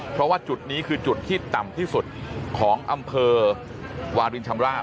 เพราะว่าจุดนี้คือจุดที่ต่ำที่สุดของอำเภอวารินชำราบ